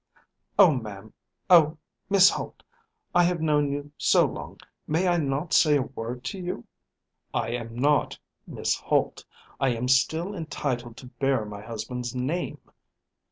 "Oh, ma'am, oh, Miss Holt, I have known you so long, may I not say a word to you?" "I am not Miss Holt. I am still entitled to bear my husband's name."